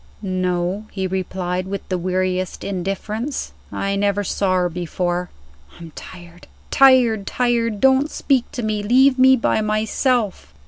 "No," he replied, with the weariest indifference. "I never saw her before. I'm tired tired tired! Don't speak to me; leave me by myself."